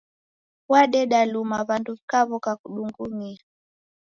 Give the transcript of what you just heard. Wadeda luma w'andu w'ikaw'oka kudungumia.